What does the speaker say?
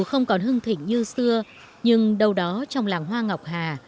không còn hưng thịnh như xưa nhưng đâu đó trong làng hoa ngọc hà